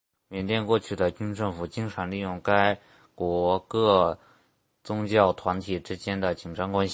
缅甸过去的军政府经常利用该国各宗教团体之间的紧张关系。